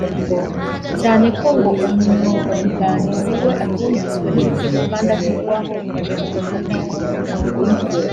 cyane ko ngo umwunganizi we atumviswe n’urukiko kandi avugwaho ibintu bikomeye